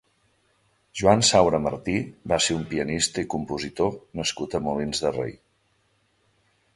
Joan Saura Martí va ser un pianista i compositor nascut a Molins de Rei.